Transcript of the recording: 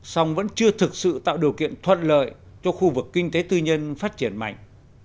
song vẫn chưa thực sự tạo điều kiện thuận lợi cho khu vực kinh tế tư nhân phát triển mạnh